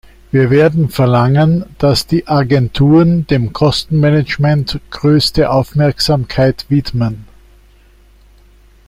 Wir werden verlangen, dass die Agenturen dem Kostenmanagement größte Aufmerksamkeit widmen.